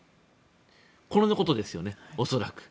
これのことですよね、恐らく。